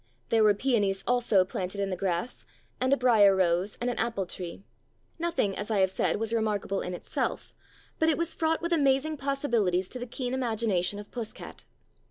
There were preonies also planted in the grass, and 240 "Puss cat" a briar rose, and an apple tree; nothing, as I have said, was remarkable in itself, but it was fraught with amazing possibilities to the keen imagination of Puss cat.